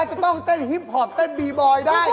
จะต้องเต้นฮิมพอปเต้นบีบอยได้